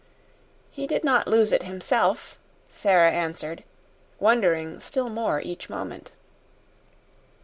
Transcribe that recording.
"He did not lose it himself," Sara answered, wondering still more each moment.